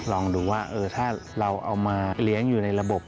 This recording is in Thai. ลองดูว่าถ้าเราเอามาเลี้ยงอยู่ในระบบ